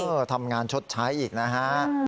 ทำงานชดใช้อีกนะฮะ